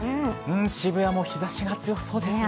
渋谷も日ざしが強そうですね。